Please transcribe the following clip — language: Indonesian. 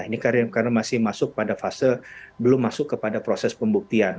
ini karena masih masuk pada fase belum masuk kepada proses pembuktian